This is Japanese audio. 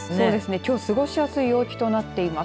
きょうは過ごしやすい陽気となっています。